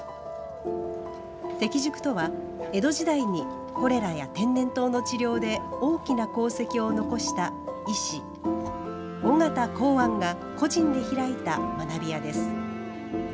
適塾とは江戸時代にコレラや天然痘の治療で大きな功績を残した医師、緒方洪庵が個人で開いた学びやです。